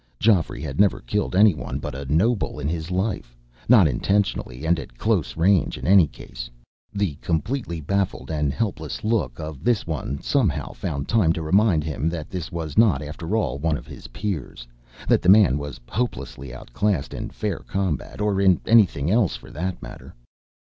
Geoffrey had never killed anyone but a noble in his life. Not intentionally and at close range, in any case. The completely baffled and helpless look of this one somehow found time to remind him that this was not, after all, one of his peers that the man was hopelessly outclassed in fair combat or in anything else, for that matter.